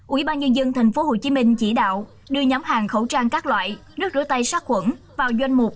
ubnd tp hcm chỉ đạo đưa nhóm hàng khẩu trang các loại nước rửa tay sát khuẩn vào doanh mục